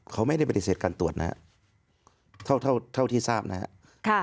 เขาไม่ได้ปฏิเสธการตรวจนะฮะเท่าเท่าที่ทราบนะครับ